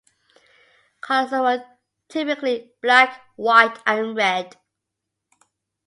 Colors were typically black, white and red.